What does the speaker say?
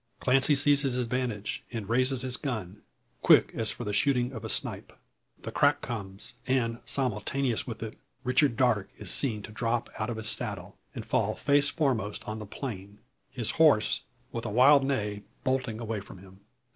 Clancy sees his advantage, and raises his gun, quick as for the shooting of a snipe. The crack comes; and, simultaneous with it, Richard Darke is seen to drop out of his saddle, and fall face foremost on the plain his horse, with a wild neigh, bolting away from him.